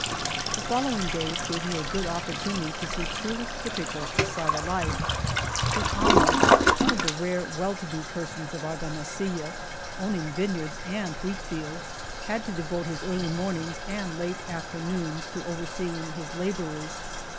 The following days gave me a good op portunity to see truly typical posada life. The amo, one of the rare, well to do persons of ArgamasiUa, owning vineyards and wheat fields, had to devote his early mornings and late afternoons to overseeing his laborers.